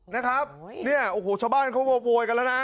นะครับเนี่ยโอ้โหชาวบ้านเขาโวยกันแล้วนะ